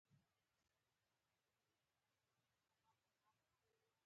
د هر ټاکلي کار لپاره را کوزيږي